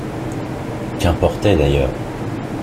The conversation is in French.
Qu’importait d’ailleurs?